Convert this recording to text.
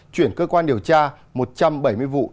chuyển cơ quan điều tra một trăm bảy mươi vụ